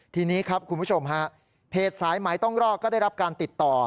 ทีนี้ครับคุณผู้ชมฮะเพจสายไหมต้องรอก็ได้รับการติดต่อ